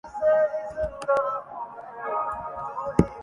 ہم پاکستان میں موافق حالات پیدا کریں